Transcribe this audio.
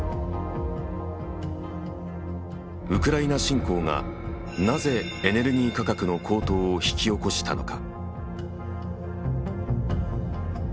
ウクライナ侵攻がなぜエネルギー価格の高騰を引き起こしたのか？